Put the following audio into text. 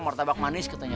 martabak manis katanya